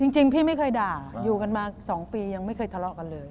จริงพี่ไม่เคยด่าอยู่กันมา๒ปียังไม่เคยทะเลาะกันเลย